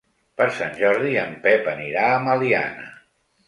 Per Sant Jordi en Pep anirà a Meliana.